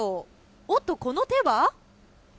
おっと、この手は？